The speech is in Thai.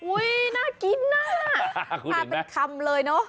อุ๊ยน่ากินน่ะน่าเป็นคำเลยเนอะคุณเด็กแม่